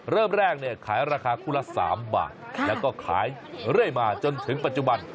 เริ่มแรกเนี่ยขายราคาคู่ละ๓บาทแล้วก็ขายเรื่อยมาจนถึงปัจจุบัน